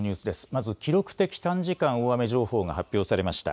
まず記録的短時間大雨情報が発表されました。